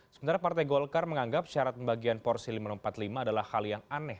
sementara partai golkar menganggap syarat pembagian porsi lima ratus empat puluh lima adalah hal yang aneh